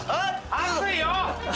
熱いよ！